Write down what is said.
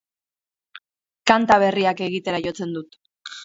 Kanta berriak egitera jotzen dut.